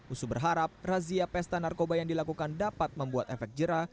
usu berharap razia pesta narkoba yang dilakukan dapat membuat efek jerah